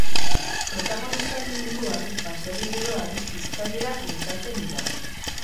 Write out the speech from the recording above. Protagonistaren munduan, baserri giroan, bizkaieraz mintzatzen dira.